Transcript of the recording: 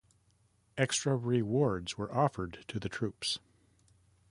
Extra rewards were offered to the troops.